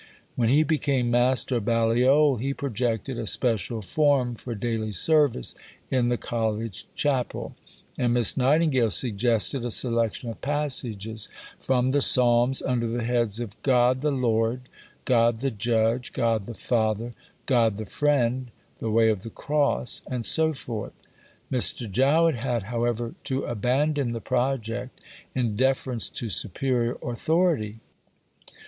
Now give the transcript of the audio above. When he became Master of Balliol he projected a Special Form for daily service in the College Chapel, and Miss Nightingale suggested a selection of passages from the Psalms under the heads of "God the Lord," "God the Judge," "God the Father," "God the Friend," "the Way of the Cross," and so forth. Mr. Jowett had, however, to abandon the project in deference to superior authority.